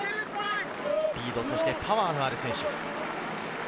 スピードとパワーのある選手。